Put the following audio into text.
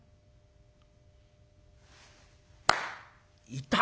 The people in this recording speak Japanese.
いた！